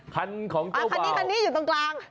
คันของเจ้าบ่าวคันนี้อยู่ตรงกลาง